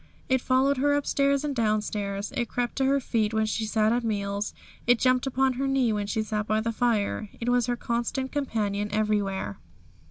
It followed her upstairs and downstairs, it crept to her feet when she sat at meals, it jumped upon her knee when she sat by the fire, it was her constant companion everywhere.